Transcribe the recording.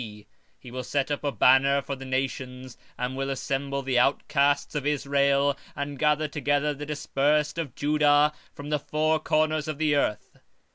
21:12 And he shall set up an ensign for the nations, and shall assemble the outcasts of Israel, and gather together the dispersed of Judah from the four corners of the earth.